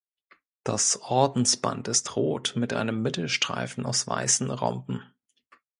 Das Ordensband ist rot mit einem Mittelstreifen aus weißen Rhomben.